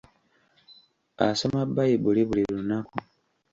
Asoma bayibuli buli lunaku.